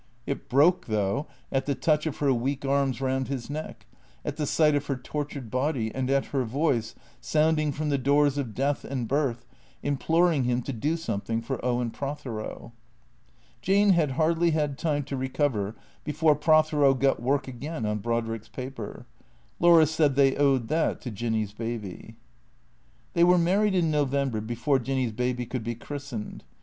It broke, though, at the touch of her weak arms round his neck, at the sight of her tortured body, and at her voice, sounding from the doors of death and birth, imploring him to do something for Owen Prothero. Jane had hardly had time to recover before Prothero got work again on Brodrick's paper. Laura said they owed that to Jinny's baby. They were married in ISTovember before Jinny's baby could be christened.